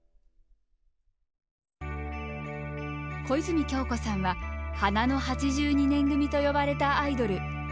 小泉今日子さんは「花の８２年組」と呼ばれたアイドル。